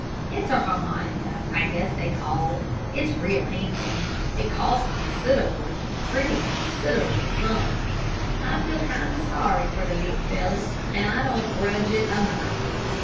"It's a harmonica, I guess they call it. It's real handsome. It cost consid'able a pretty consid'able sum. I feel kinder sorry for the leetle feller, and I don't grudge it a mite."